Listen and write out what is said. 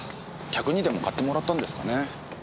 客にでも買ってもらったんですかね。